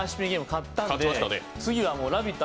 勝ったので「ラヴィット！」